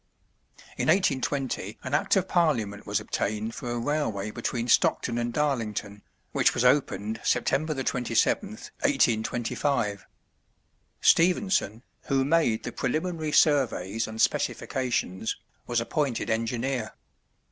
In 1820 an act of Parliament was obtained for a railway between Stockton and Darlington, which was opened September 27th, 1825. Stephenson, who made the preliminary surveys and specifications, was appointed engineer.